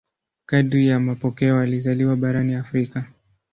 Kadiri ya mapokeo alizaliwa barani Afrika.